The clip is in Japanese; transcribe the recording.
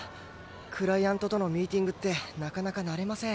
クライアントとのミーティングってなかなか慣れません。